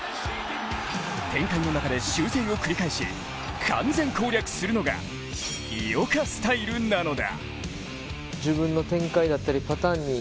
展開の中で修正を繰り返し完全攻略するのが井岡スタイルなのだ。